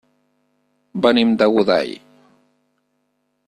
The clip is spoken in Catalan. Venim de Godall.